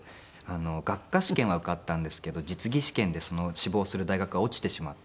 学科試験は受かったんですけど実技試験で志望する大学は落ちてしまって。